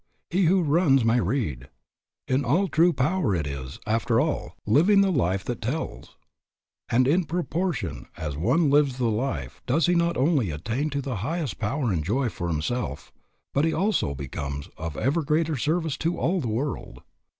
He who runs may read. In all true power it is, after all, living the life that tells. And in proportion as one lives the life does he not only attain to the highest power and joy for himself, but he also becomes of ever greater service to all the world.